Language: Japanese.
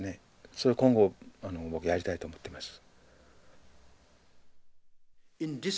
それ今後僕やりたいと思っています。